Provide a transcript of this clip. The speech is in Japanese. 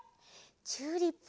チューリップ！